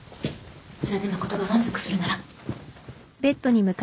それで誠が満足するなら。